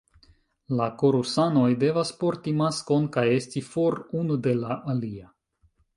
La korusanoj devas porti maskon kaj esti for unu de la alia.